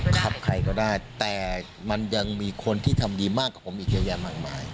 ครับใครก็ได้แต่มันยังมีคนที่ทำดีมากกว่าผมอีกเยอะแยะมากมาย